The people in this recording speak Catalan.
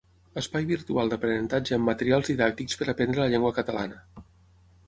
Espai virtual d'aprenentatge amb materials didàctics per aprendre la llengua catalana.